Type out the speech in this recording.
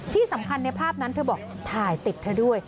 ที่สำคัญในภาพนั้นเธอบอกถ่ายติดเธอด้วย